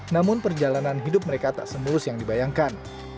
namun perjalanan hidup mereka tak semulus yang dibayangkan